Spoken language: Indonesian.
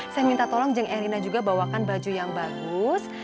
saya minta tolong jeng erina juga bawakan baju yang bagus